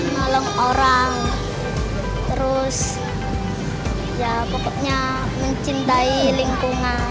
nolong orang terus ya pokoknya mencintai lingkungan